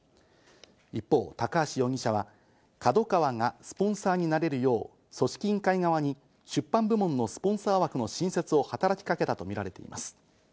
一方、高橋容疑者はＫＡＤＯＫＡＷＡがスポンサーになれるよう、組織委員会側に出版部門のスポンサー枠の新設を働きかけたとみられています。